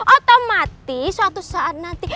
otomatis suatu saat nanti